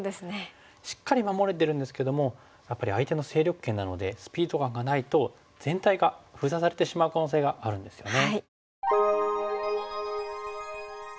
しっかり守れてるんですけどもやっぱり相手の勢力圏なのでスピード感がないと全体が封鎖されてしまう可能性があるんですよね。